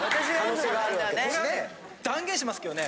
うん断言しますけどね。